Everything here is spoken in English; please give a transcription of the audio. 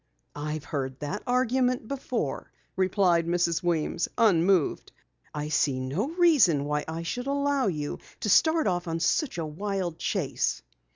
"I've heard that argument before," replied Mrs. Weems, unmoved. "I see no reason why I should allow you to start off on such a wild chase."